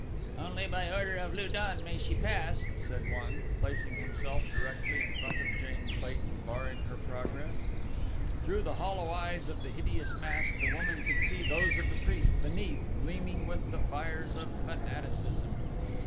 "Only by order of Lu don may she pass," said one, placing himself directly in front of Jane Clayton, barring her progress. Through the hollow eyes of the hideous mask the woman could see those of the priest beneath gleaming with the fires of fanaticism.